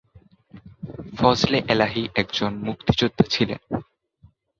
ফজলে এলাহী একজন মুক্তিযোদ্ধা ছিলেন।